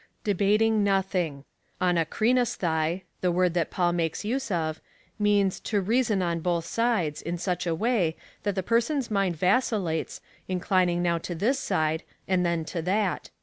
Debating nothing} ' AvaKplveaOat, the word that Paul makes use of, means to reason on both sides,^ in such a way, that the person's mind vacillates, inclining now to this side, and then to that.